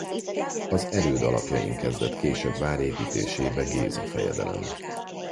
Az erőd alapjain kezdett később vár építésébe Géza fejedelem.